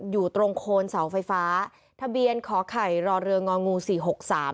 อยู่ตรงโคนเสาไฟฟ้าทะเบียนขอไข่รอเรืององูสี่หกสาม